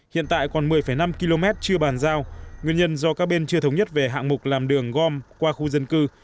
hiện tại còn một mươi năm km chưa bàn giao nguyên nhân do các bên chưa thống nhất về hạng mục làm đường gom qua khu dân cư